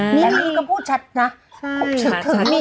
นี่ก็พูดชัดนะ